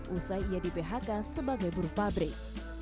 usai ia di phk sebagai buruh pabrik